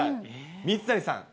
水谷さん。